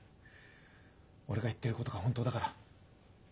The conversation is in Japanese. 俺が言ってることが本当だから。